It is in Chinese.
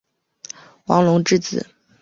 王隆之子。